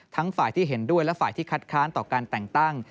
ฝ่ายที่เห็นด้วยและฝ่ายที่คัดค้านต่อการแต่งตั้ง